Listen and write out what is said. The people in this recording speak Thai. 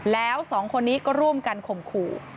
แล้วสองคนนี้ก็ร่วมกันข่มขู่